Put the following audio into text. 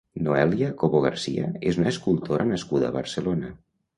Noelia Cobo García és una escultora nascuda a Barcelona.